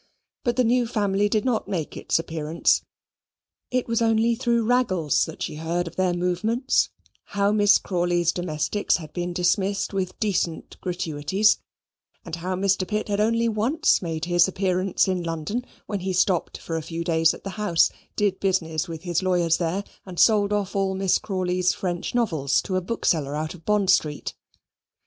But the new family did not make its appearance; it was only through Raggles that she heard of their movements how Miss Crawley's domestics had been dismissed with decent gratuities, and how Mr. Pitt had only once made his appearance in London, when he stopped for a few days at the house, did business with his lawyers there, and sold off all Miss Crawley's French novels to a bookseller out of Bond Street.